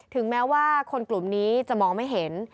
ถึงแม้ว่าคนกลุ่มนี้จะมองไม่เห็น